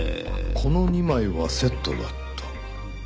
この２枚はセットだった。